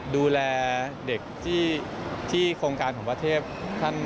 ดูแลเด็กที่โครงการของประเทศ